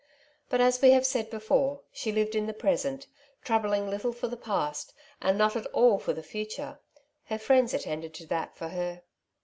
But, as we have said before, she lived in the present, troubling little for the past, and not at all for the future — her friends attended to that for her.